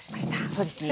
そうですね。